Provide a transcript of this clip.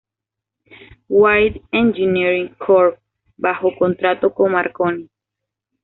White Engineering Corp bajo contrato con Marconi.